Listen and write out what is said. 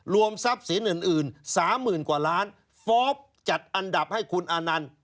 ทรัพย์สินอื่น๓๐๐๐กว่าล้านฟอล์ฟจัดอันดับให้คุณอานันต์